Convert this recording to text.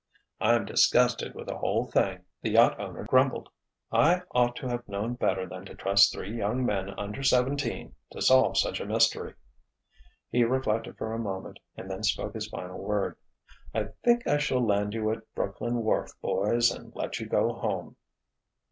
"I'm disgusted with the whole thing," the yacht owner grumbled. "I ought to have known better than to trust three young men under seventeen to solve such a mystery." He reflected for a moment and then spoke his final word. "I think I shall land you at a Brooklyn wharf, boys, and let you go home."